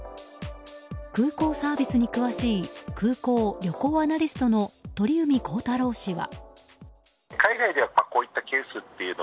空港サービスに詳しい空港・旅行アナリストの鳥海高太朗氏は。